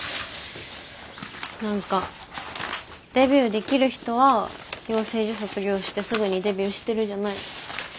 何かデビューできる人は養成所卒業してすぐにデビューしてるじゃない？